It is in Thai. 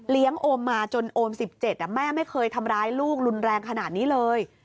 โอมมาจนโอม๑๗แม่ไม่เคยทำร้ายลูกรุนแรงขนาดนี้เลย